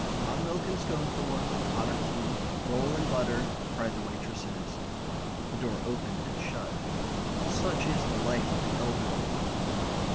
"Hot milk and scone for one. Pot of tea. Roll and butter," cried the waitresses. The door opened and shut. Such is the life of the elderly.